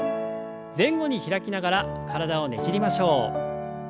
前後に開きながら体をねじりましょう。